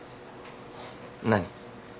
何？